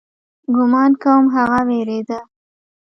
ګومان کوم هغه وېرېده.